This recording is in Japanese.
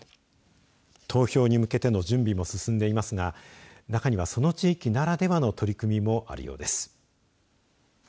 投票に向けての準備も進んでいますが中には、その地域ならではの取り組みもあるようです。